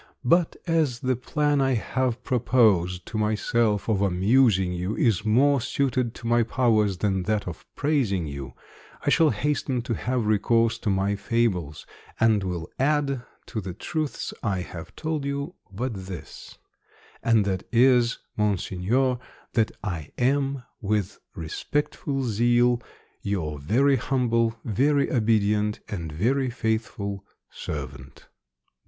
But as the plan I have proposed to myself of amusing you is more suited to my powers than that of praising you, I shall hasten to have recourse to my fables, and will add to the truths I have told you but this and that is, Monseigneur, that I am, with respectful zeal, your very humble, very obedient, and very faithful servant, DE LA FONTAINE.